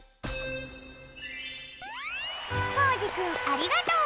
コージくんありがとう！